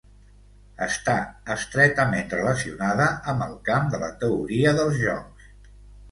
Està estretament relacionada amb el camp de la teoria dels jocs.